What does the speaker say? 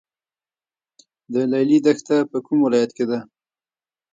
د لیلی دښته په کوم ولایت کې ده؟